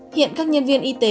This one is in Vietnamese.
hiện các nhân viên y tế